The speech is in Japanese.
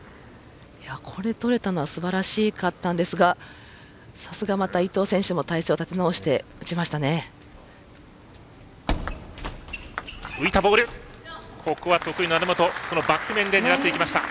これ、とれたのはすばらしかったんですがさすが伊藤選手も体勢を立て直して打ちましたね。